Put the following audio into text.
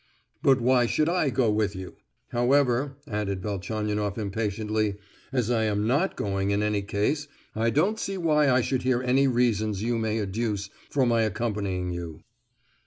"But why should I go with you? However," added Velchaninoff impatiently, "as I am not going in any case, I don't see why I should hear any reasons you may adduce for my accompanying you."